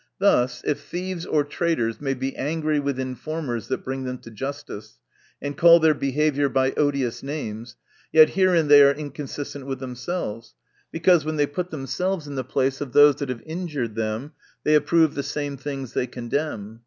Thus, if thieves or traitors may be angry with informers, that bring them to justice, and call their behavior by odious names, yet herein they are inconsistent with themselves ; because, when they put themselves in the place of those that have injured them, they approve the same things they con demn.